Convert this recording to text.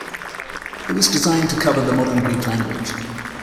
It was designed to cover the modern Greek language.